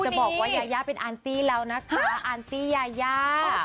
บอกว่ายายาเป็นอันซี่แล้วนะคะอันซี่ยายา